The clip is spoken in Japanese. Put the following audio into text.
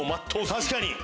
確かに！